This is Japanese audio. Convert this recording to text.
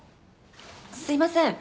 すいません。